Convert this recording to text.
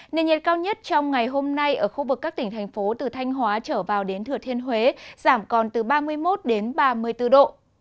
nền nhiệt cao nhất trong ngày hôm nay ở khu vực các tỉnh thành phố từ thanh hóa trở vào đến thừa thiên huế giảm còn từ ba mươi một đến ba mươi bốn độ